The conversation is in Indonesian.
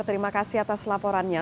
terima kasih atas laporannya